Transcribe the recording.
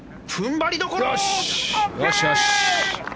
よしよし！